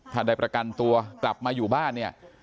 ถ้าได้ประกันตัวกลับมาอยู่บ้านเนี่ย